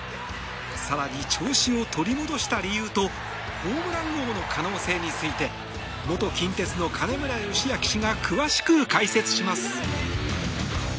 更に、調子を取り戻した理由とホームラン王の可能性について元近鉄の金村義明氏が詳しく解説します。